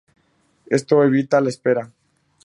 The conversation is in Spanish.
Esto evita la espera.